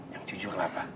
yang jujur apa